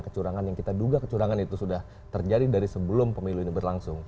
kecurangan yang kita duga kecurangan itu sudah terjadi dari sebelum pemilu ini berlangsung